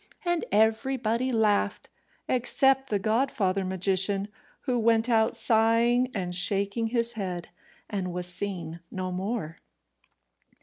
And everybody laughed, except the godfather magician, who went out sighing and shaking his head, and was seen no more.